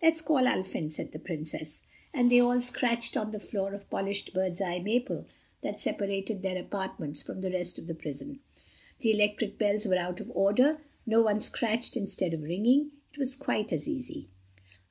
"Let's call Ulfin," said the Princess, and they all scratched on the door of polished bird's eye maple that separated their apartments from the rest of the prison. The electric bells were out of order, so one scratched instead of ringing. It was quite as easy.